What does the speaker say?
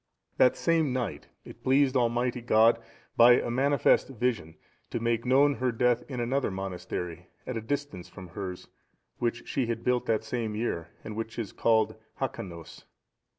That same night it pleased Almighty God, by a manifest vision, to make known her death in another monastery, at a distance from hers, which she had built that same year, and which is called Hacanos.